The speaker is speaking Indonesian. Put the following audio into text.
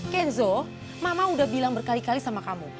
kenzo mama udah bilang berkali kali sama kamu